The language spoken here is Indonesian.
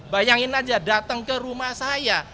bayangin aja datang ke rumah saya